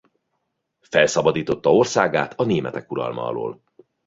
Felszabadította országát a németek uralma alól.